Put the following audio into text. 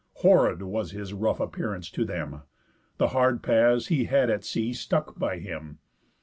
Horrid was His rough appearance to them; the hard pass He had at sea stuck by him.